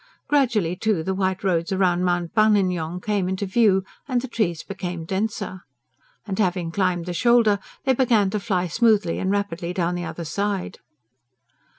Gradually, too, the white roads round Mount Buninyong came into view, and the trees became denser. And having climbed the shoulder, they began to fly smoothly and rapidly down the other side.